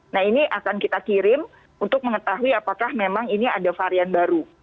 nah ini akan kita kirim untuk mengetahui apakah memang ini ada varian baru